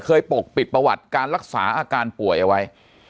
ปกปิดประวัติการรักษาอาการป่วยเอาไว้